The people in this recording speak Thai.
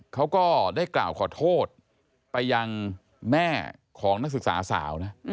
เขาก็ได้กล่าวขอโทษไปยังแม่ของนักศึกษาสาวนะ